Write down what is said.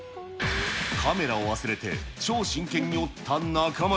カメラを忘れて超真剣に折った中丸。